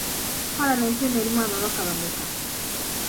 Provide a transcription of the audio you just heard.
Paalamenti eno erimu ababaka bameka?